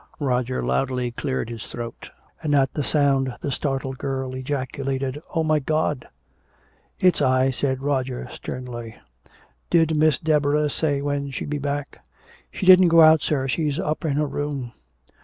Roger loudly cleared his throat, and at the sound the startled girl ejaculated, "Oh, my Gawd!" "It's I," said Roger sternly. "Did Miss Deborah say when she'd be back?" "She didn't go out, sir. She's up in her room."